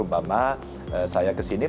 umpama saya kesini